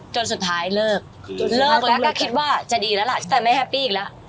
จนสุดท้ายเลิกเลิกแล้วก็คิดว่าจะดีแล้วล่ะแต่ไม่แฮปปี้อีกแล้ว